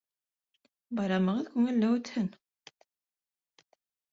Байрамығыҙ күңелле үтһен!